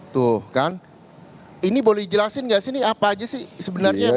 tuh kan ini boleh dijelasin gak sih ini apa aja sih sebenarnya